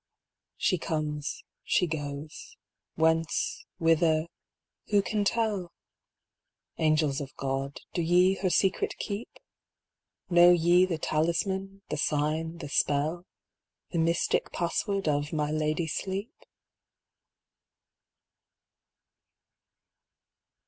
She comes, she goes — whence, whither — who can tell ? Angels of God, do ye her secret keep ? Know ye the talisman, the sign, the spell. The mystic password of my Lady Sleep